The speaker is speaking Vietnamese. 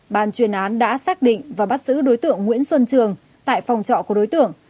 ban chuyên án đã xác định và bắt giữ đối tượng nguyễn xuân trường tại phòng trọ của đối tượng